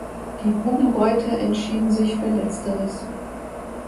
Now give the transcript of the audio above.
Die Bubenreuther entschieden sich für Letzteres.